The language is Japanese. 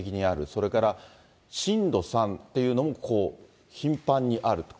それから震度３というのも、こう、頻繁にあると。